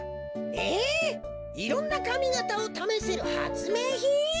・えっいろんなかみがたをためせるはつめいひん？